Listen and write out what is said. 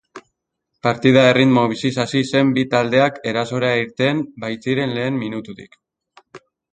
Partida erritmo biziz hasi zen bi taldeak erasora irten baitziren lehen minututik.